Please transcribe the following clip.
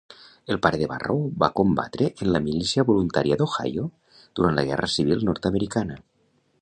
El pare de Barrow va combatre en la Milícia voluntària d'Ohio durant la Guerra Civil Nord-americana.